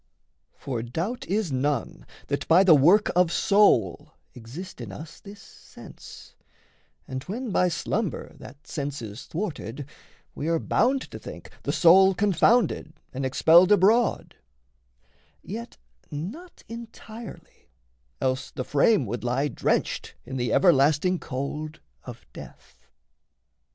For doubt is none that by the work of soul Exist in us this sense, and when by slumber That sense is thwarted, we are bound to think The soul confounded and expelled abroad Yet not entirely, else the frame would lie Drenched in the everlasting cold of death.